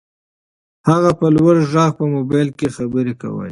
هغه په لوړ غږ په موبایل کې خبرې کولې.